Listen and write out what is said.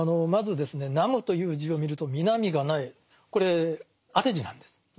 まずですね「南無」という字を見ると「南」が無いこれ当て字なんです。